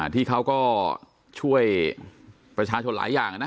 ที่เขาก็ช่วยประชาชนหลายอย่างนะ